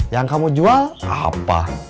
yang kamu jual apa